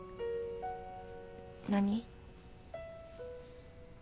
何？